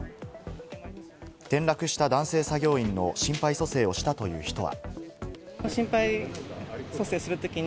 転落した男性作業員の心肺蘇生をしたという人は。